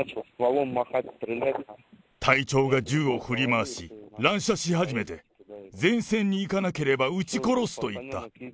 隊長が銃を振り回し、乱射し始めて、前線に行かなければ撃ち殺すと言った。